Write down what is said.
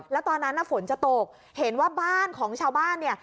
แล้วตอนนั้นฝนจะตกเห็นว่าบ้านของชาวบ้านเนี่ย